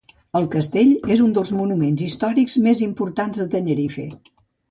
El castell és un dels monuments històrics més importants de Tenerife.